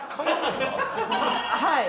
はい。